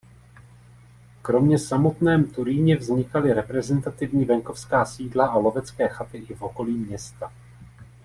Kromě samotném Turíně vznikaly reprezentativní venkovská sídla a lovecké chaty i v okolí města.